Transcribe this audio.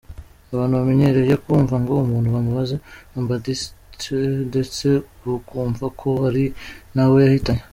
Abantu bamenyereye kumva ngo umuntu bamubaze apandicite ndetse bakumva ko hari n’ abo yahitanye.